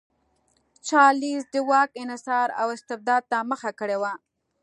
چارلېز د واک انحصار او استبداد ته مخه کړې وه.